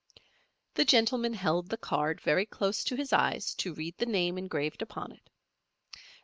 The gentleman held the card very close to his eyes to read the name engraved upon it.